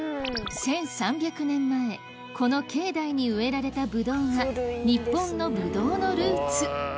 １３００年前この境内に植えられたブドウが日本のブドウのルーツ